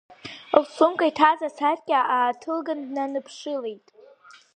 Лсумка иҭаз асаркьа ааҭылган днаныԥшылеит.